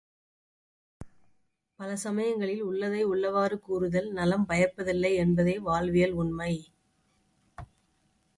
பல சமயங்களில் உள்ளதை உள்ளவாறு கூறுதல் நலம் பயப்பதில்லை என்பதே வாழ்வியல் உண்மை.